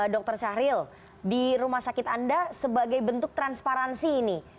dr syahril di rumah sakit anda sebagai bentuk transparansi ini